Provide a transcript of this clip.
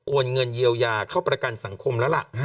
เงินเยียวยาเข้าประกันสังคมแล้วล่ะ